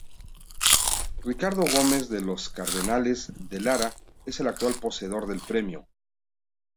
Ricardo Gómez de los Cardenales de Lara es el actual poseedor del premio.